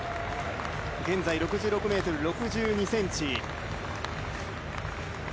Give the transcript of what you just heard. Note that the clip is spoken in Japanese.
現在６６ｍ６２ｃｍ。